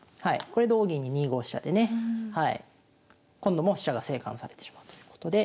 これ同銀に２五飛車でね今度も飛車が生還されてしまうということで。